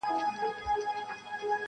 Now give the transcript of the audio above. ایله عقل د کومول ورغی سرته-